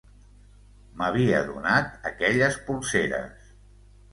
M'havia donat aquelles polseres...